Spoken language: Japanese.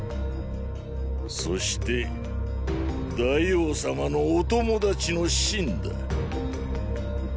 そして大王様のお友達の信だ。